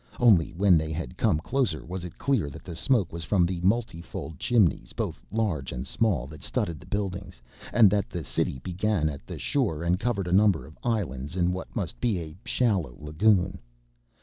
Only when they had come closer was it clear that the smoke was from the multifold chimneys, both large and small, that studded the buildings, and that the city began at the shore and covered a number of islands in what must be a shallow lagoon.